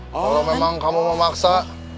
kalau memang kamu mau maksa